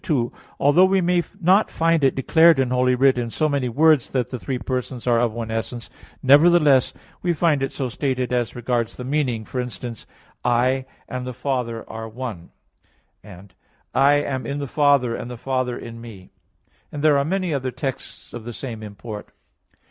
2: Although we may not find it declared in Holy Writ in so many words that the three persons are of one essence, nevertheless we find it so stated as regards the meaning; for instance, "I and the Father are one (John 10:30)," and "I am in the Father, and the Father in Me (John 10:38)"; and there are many other texts of the same import.